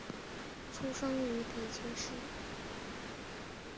出生于北京市。